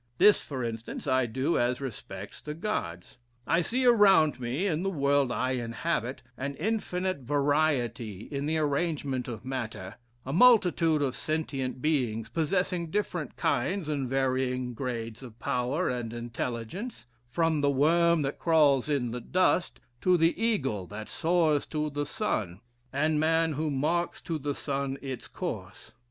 This, for instance, I do as respects the Gods. I see around me, in the world I inhabit, an infinite variety in the arrangement of matter a multitude of sentient beings, possessing different kinds and varying grades of power and intelligence from the worm that crawls in the dust, to the eagle that soars to the sun, and man who marks to the sun its course.